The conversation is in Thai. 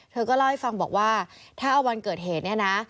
เธอก็เล่าให้ฟังบอกว่าถ้าเอาวันเกิดเหตุเนี่ยนะ